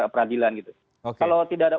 peradilan gitu kalau tidak ada